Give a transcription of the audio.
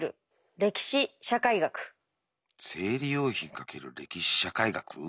「生理用品×歴史社会学」？